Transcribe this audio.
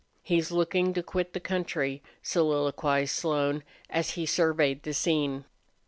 "He's lookin' to quit the country," soliloquized Slone, as he surveyed the scene.